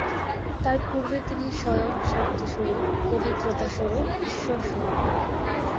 তার পূর্বে তিনি স্বয়ং সত্যস্বরূপ, পবিত্রতা-স্বরূপ, ঈশ্বরস্বরূপ ছিলেন।